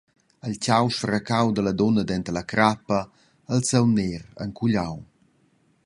Il tgau sfraccau dalla dunna denter la crappa, il saung ner encugliau.